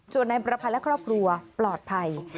ส่วนนายประพันธ์และครอบครัวปลอดภัย